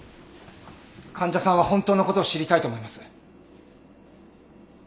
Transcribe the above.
患者さんは本当のことを知りたいと思います。